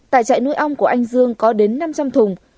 tại trại nuôi ong của anh dương có đến năm trăm linh thùng